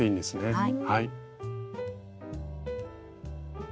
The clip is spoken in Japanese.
はい。